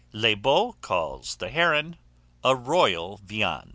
Lebaut calls the heron a royal viand."